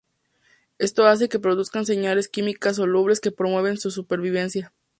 Esto hace que produzcan señales químicas solubles que promueven su supervivencia.